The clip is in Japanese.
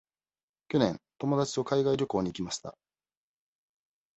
去年、友達と海外旅行に行きました。